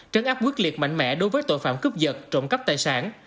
trấn áp quyết liệt mạnh mẽ đối với tội phạm cướp vật trộm cắp tài sản